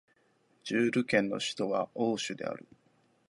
ジェール県の県都はオーシュである